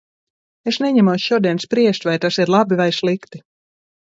Es neņemos šodien spriest, vai tas ir labi vai slikti.